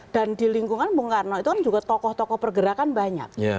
dan di lingkungan bung karno itu kan juga tokoh tokoh pergerakan banyak